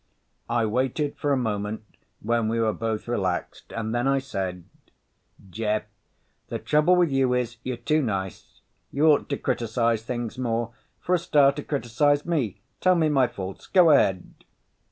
I waited for a moment when we were both relaxed and then I said, "Jeff, the trouble with you is you're too nice. You ought to criticize things more. For a starter, criticize me. Tell me my faults. Go ahead."